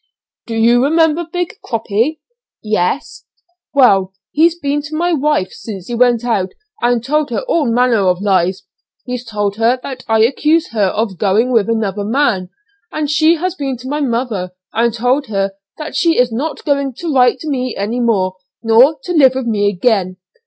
"Do you remember 'Big Croppy?'" "Yes." "Well, he's been to my wife since he went out, and told her all manner of lies. He's told her that I accuse her of going with another man, and she has been to my mother and told her that she is not going to write to me any more, nor to live with me again.